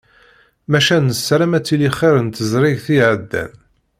Maca nessaram ad tili xir n tezrigt iɛeddan.